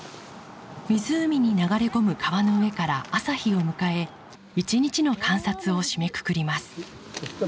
湖に流れ込む川の上から朝日を迎え一日の観察を締めくくります。